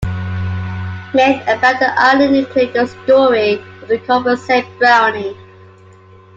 Myths about the island include the story of the Copinsay Brownie.